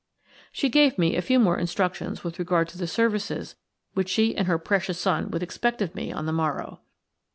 She gave me a few more instructions with regard to the services which she and her precious son would expect of me on the morrow.